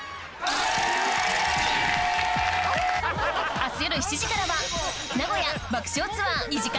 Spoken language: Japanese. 明日夜７時からは名古屋爆笑ツアー２時間